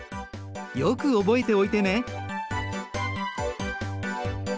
よく覚えておいてね。